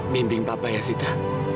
biarin papa ya sita